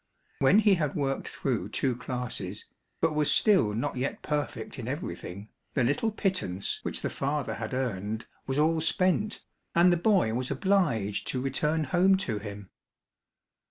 When he had worked through two classes, but was still not yet perfect in everything, the little pittance which the father had earned was all spent, and the boy was obliged to return home to him.